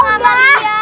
tau gak bang zia